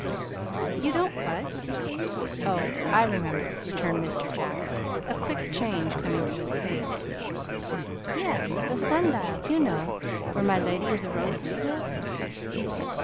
"You don't what? oh, I remember," returned Mr. Jack, a quick change coming to his face. "Yes, the sundial, you know, where my Lady of the Roses lives."